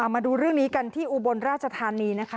มาดูเรื่องนี้กันที่อุบลราชธานีนะคะ